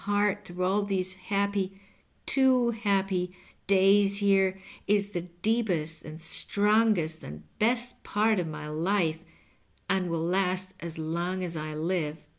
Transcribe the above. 215 heart through all these happy — too happy — days here is the deepest and strongest and best part of my life, and ■will last as long as I live.